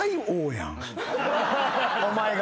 お前が。